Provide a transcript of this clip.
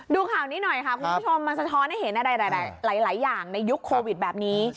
ดูข่าวนี้หน่อยค่ะคุณผู้ชมมันสะท้อนให้เห็นอะไรหลายอย่างในยุคโควิดแบบนี้